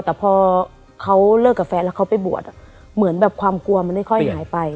แต่พอเขาเลิกกับแฟนแล้วเขาไปบวชเหมือนแบบความกลัวมันไม่ค่อยหายไป